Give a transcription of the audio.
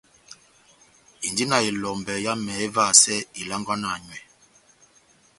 Indi na elombɛ yámɛ évahasɛ ilangwana nywɛ.